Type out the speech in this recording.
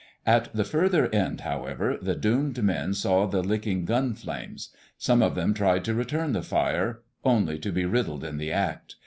At the further end, however, the doomed men saw the licking gun flames. Some of them tried to return the fire—only to be riddled in the act.